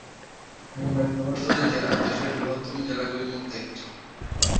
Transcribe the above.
মুম্বই শহরতলির জেলা দেশের বৃহত্তম জেলাগুলির মধ্যে একটি।